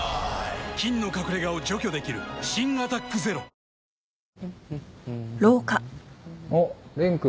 菌の隠れ家を除去できる新「アタックＺＥＲＯ」あっレン君。